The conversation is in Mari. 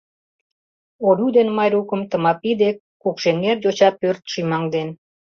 Олю ден Майрукым Тымапи дек Кукшеҥер йоча пӧрт шӱмаҥден.